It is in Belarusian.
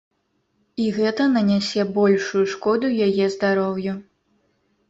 І гэта нанясе большую шкоду яе здароўю.